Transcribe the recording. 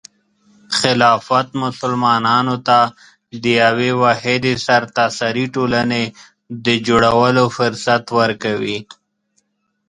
خلافت مسلمانانو ته د یوې واحدې سرتاسري ټولنې د جوړولو فرصت ورکوي.